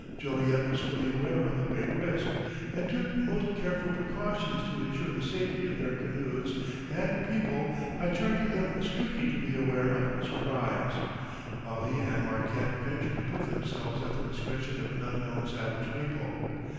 Joliet was fully aware of the great risk, and took most careful precautions to ensure the safety of their canoes and people by charging them strictly to beware of surprise, while he and Marquette ventured to put themselves at the discretion of an unknown savage people.